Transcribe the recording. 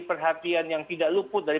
perhatian yang tidak luput dari